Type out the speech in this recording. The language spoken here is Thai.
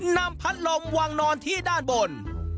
นำพัดลมวางนอนที่ด้านบน